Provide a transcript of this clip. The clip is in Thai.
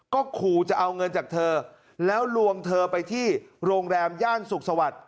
ก็ขู่จะเอาเงินจากเธอแล้วลวงเธอไปที่โรงแรมย่านสุขสวัสดิ์